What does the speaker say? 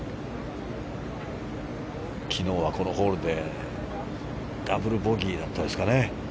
昨日は、このホールでダブルボギーだったですかね。